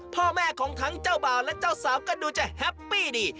พ่อแม่ของทั้งเจ้าบ่าวและเจ้าสาวก็ดูจะแฮปปี้ดี